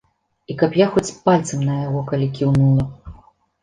І каб я хоць пальцам на яго калі кіўнула.